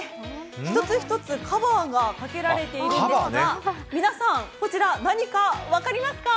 一つ一つカバーがかけられているんですが、皆さん、こちら何かわかりますか？